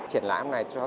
chuyển lại hôm nay cho tôi